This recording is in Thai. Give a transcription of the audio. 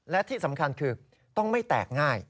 และที่สำคัญคือต้องไม่แตกง่าย